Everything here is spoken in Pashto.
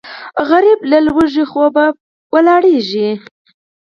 غریب له وږي خوبه پاڅي